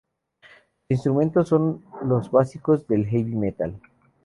Los instrumentos son los básicos del heavy metal.